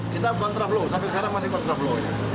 kita kontraflu sampai sekarang masih kontraflu